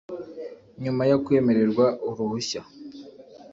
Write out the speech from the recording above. nyuma yo kwemererwa uruhushya